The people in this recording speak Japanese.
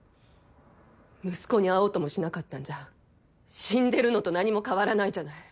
息子に会おうともしなかったんじゃ死んでるのと何も変わらないじゃない。